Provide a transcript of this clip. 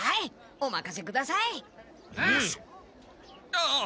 ああ！